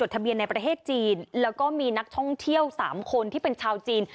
ทะเบียนในประเทศจีนแล้วก็มีนักท่องเที่ยว๓คนที่เป็นชาวจีน